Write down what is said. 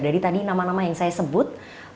dari tadi nama nama yang saya sebut